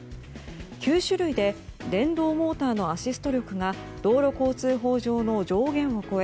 ９種類で電動モーターのアシスト力が道路交通法上の上限を超え